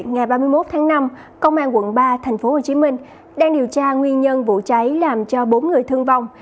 ngày ba mươi một tháng năm công an quận ba thành phố hồ chí minh đang điều tra nguyên nhân vụ cháy làm cho bốn người thương vong